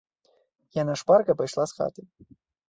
Яна шпарка пайшла з хаты.